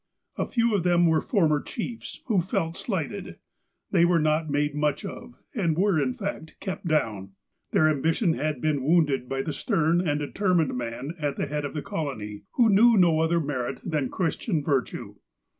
A few of them were former chiefs, who felt slighted. They were not made much of, and were, in fact, kept down. Their ambition had been wounded by the stern and determined man at the head of the colony, who knew no other merit than Christian virtue.